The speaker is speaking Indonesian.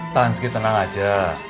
tanski tenang aja